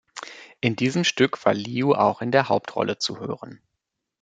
In diesem Stück war Liu auch in der Hauptrolle zu hören.